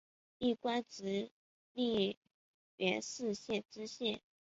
历官直隶元氏县知县。